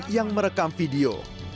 yang merekam video